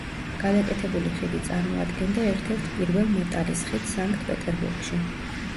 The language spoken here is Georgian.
გადაკეთებული ხიდი წარმოადგენდა ერთ-ერთ პირველ მეტალის ხიდს სანქტ-პეტერბურგში.